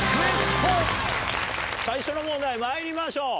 最初の問題まいりましょう。